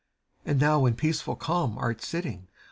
And thou in peaceful calm art sitting.